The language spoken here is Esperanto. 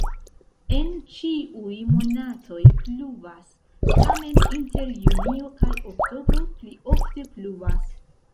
En ĉiuj monatoj pluvas, tamen inter junio kaj oktobro pli ofte pluvas.